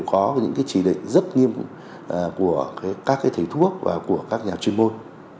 có những chỉ định rất nghiêm cục của các thầy thuốc và của các nhà chuyên môn